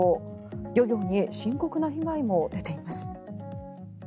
漁業に深刻な被害も出ています。